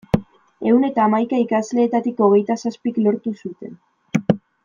Ehun eta hamaika ikasleetatik hogeita zazpik lortu zuten.